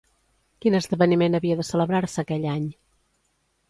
Quin esdeveniment havia de celebrar-se aquell any?